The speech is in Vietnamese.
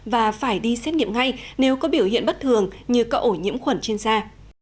và phải đi xét nghiệm ngay nếu có biểu hiện bất thường như cậu ổ nhiễm khuẩn trên da